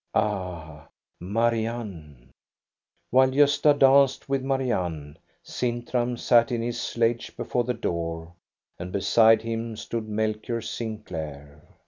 Ah, Marianne ! While Gosta danced with Marianne, Sintram sat in his sledge before the door, and beside him stood Melchior Sinclair.